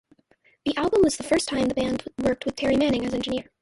The album was the first time the band worked with Terry Manning as engineer.